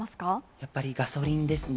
やっぱりガソリンですね。